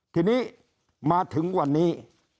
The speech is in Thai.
ทีนี้มาถึงวันนี้